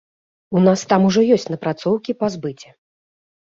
У нас там ўжо ёсць напрацоўкі па збыце.